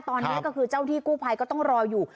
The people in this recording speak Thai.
ตอนนี้ก็คือเจ้าที่กู้ภัยก็ต้องรออยู่